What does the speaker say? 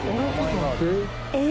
えっ？